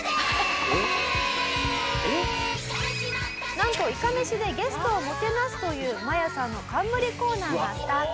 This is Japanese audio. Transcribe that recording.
なんといかめしでゲストをもてなすというマヤさんの冠コーナーがスタート。